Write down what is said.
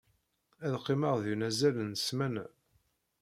Ad qqimeɣ din azal n ssmana.